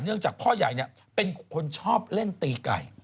เนื่องจากพ่อใหญ่เนี่ยเป็นคนชอบเล่นตีไก่